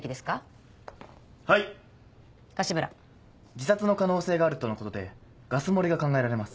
自殺の可能性があるとのことでガス漏れが考えられます。